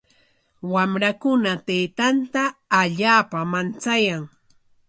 Wamrakuna taytanta allaapam manchayan.